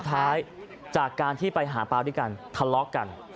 ท้ายจากการที่ไปหาปลาด้วยกันทะเลาะกัน